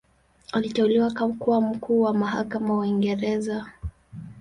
Aliteuliwa kuwa Mkuu wa Mahakama wa Uingereza.